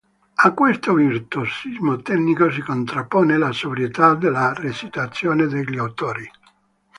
A questo virtuosismo tecnico si contrappone la sobrietà della recitazione degli attori.